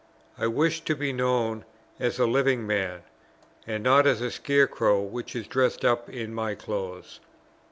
I wish to be known as a living man, and not as a scarecrow which is dressed up in my clothes.